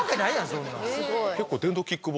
そんなん。